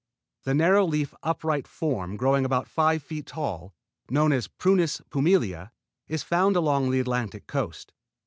The narrow leaf upright form growing about five feet tall, known as Prunus pumila, is found along the Atlantic coast.